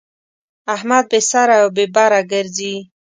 احمد بې سره او بې بره ګرځي.